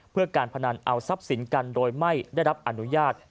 เพื่อการพนันเอาทรัพย์สินกันโดยไม่ได้รับอนุญาต